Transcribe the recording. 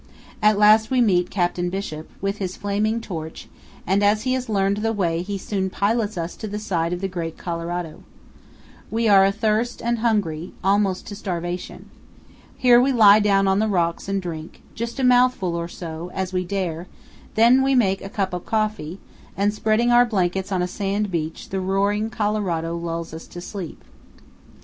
At last we meet Captain Bishop, with his flaming torch, and as he has learned the way he soon pilots us to the side of the great Colorado. We are athirst and hungry, almost to starvation. Here we lie down on the rocks and drink, just a mouthful or so, as we dare; then we make a cup of coffee, and spreading our blankets on a sand beach the roaring Colorado lulls us to sleep.